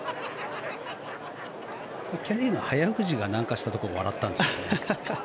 キャディーの早藤が何かしたところを笑ったんでしょうか。